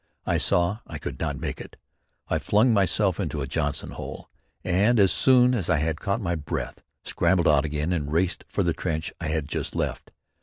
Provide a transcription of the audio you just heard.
I saw I could not make it. I flung myself into a Johnson hole, and as soon as I had caught my breath, scrambled out again and raced for the trench I had just left.